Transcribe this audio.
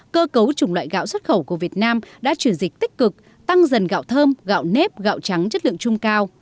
cơ cấu chủng loại gạo xuất khẩu của việt nam đã chuyển dịch tích cực tăng dần gạo thơm gạo nếp gạo trắng chất lượng chung cao